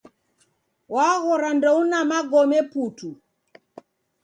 Waghora ndouna magome putu